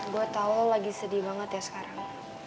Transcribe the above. gue tau lo lagi sedih banget ya sekarang